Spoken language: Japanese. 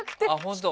本当？